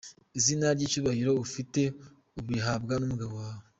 Izina n’icyubahiro ufite, ubihabwa n’umugabo wawe.